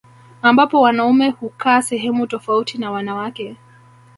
Ambapo wanaume hukaa sehemu tofauti na wanawake